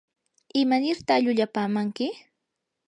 ¿imanirta llullapamanki?